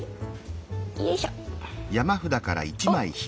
よいしょ。